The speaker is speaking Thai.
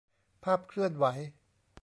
ภาพเคลื่อนไหว